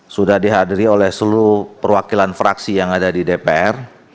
sudah dihadiri oleh seluruh perwakilan fraksi yang ada di dpr